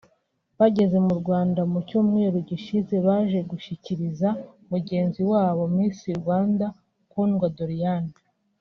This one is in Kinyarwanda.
bageze mu Rwanda mu cyumweru gishize baje gushyigikira mugenzi wabo Miss Rwanda Kundwa Doriane